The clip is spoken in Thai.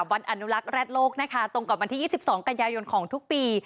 วันอนุรักษ์แร็ดโลกนะคะตรงกับวันที่๒๒กันยายนของทุกปี